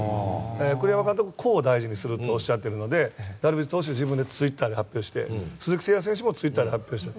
栗山監督は個を大事にするとおっしゃっているのでダルビッシュ投手は自分のツイッターで発表して鈴木誠也選手もツイッターで発表して。